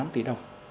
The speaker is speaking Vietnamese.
một năm tỷ đồng